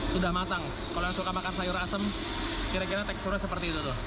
sudah matang kalau yang suka makan sayur asem kira kira teksturnya seperti itu tuh